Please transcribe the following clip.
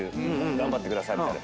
頑張ってくださいみたいな。